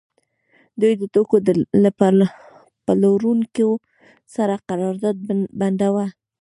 دوی د توکو له پلورونکو سره قرارداد بنداوه